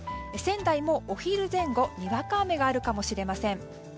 仙台もお昼前後、にわか雨があるかもしれません。